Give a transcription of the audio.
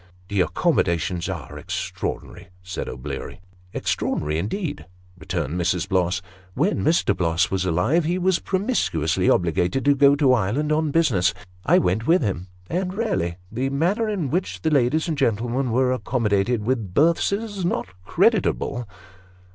" The accommodations are extraordinary," said O'Bleary. " Extraordinary indeed," returned Mrs. Bloss. " When Mr. Bloss was alive, he was promiscuously obligated to go to Ireland on business. I went with him, and raly the manner in which the ladies and gentle men were accommodated with berths, is not creditable."